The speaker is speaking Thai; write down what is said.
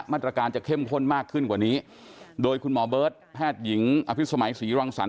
มาตรการจะเข้มข้นมากขึ้นกว่านี้โดยคุณหมอเบิร์ตแพทย์หญิงอภิษมัยศรีรังสรรค